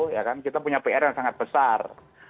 ya kan kita punya pr yang sangat besar